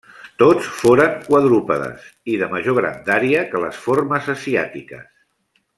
Tots foren quadrúpedes i de major grandària que les formes asiàtiques.